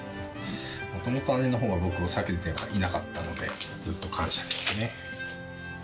もともと、姉のほうは僕を避けていなかったので、ずっと感謝ですね。